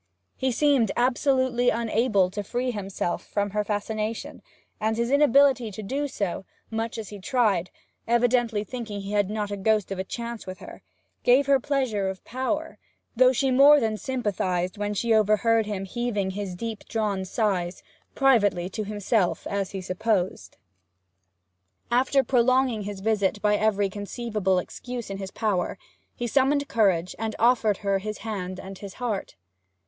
He seemed absolutely unable to free himself from her fascination; and his inability to do so, much as he tried evidently thinking he had not the ghost of a chance with her gave her the pleasure of power; though she more than sympathized when she overheard him heaving his deep drawn sighs privately to himself, as he supposed. After prolonging his visit by every conceivable excuse in his power, he summoned courage, and offered her his hand and his heart.